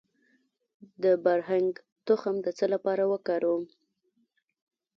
د بارهنګ تخم د څه لپاره وکاروم؟